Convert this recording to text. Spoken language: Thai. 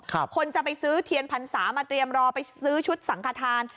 คนจะไปซื้อเทียนพรรษามาเตรียมรอไปซื้อชุดสังขทาน